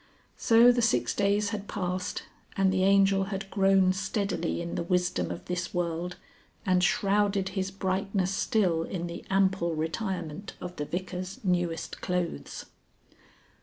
So the six days had passed, and the Angel had grown steadily in the wisdom of this world and shrouded his brightness still in the ample retirement of the Vicar's newest clothes.